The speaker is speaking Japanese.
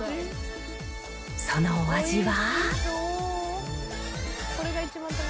そのお味は。